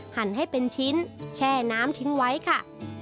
หั่นให้เป็นชิ้นแช่น้ำทิ้งไว้ค่ะ